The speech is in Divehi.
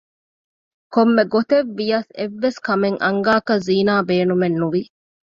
ކޮންމެ ގޮތެއް ވިޔަސް އެއްވެސް ކަމެއް އަންގާކަށް ޒީނާ ބޭނުމެއް ނުވި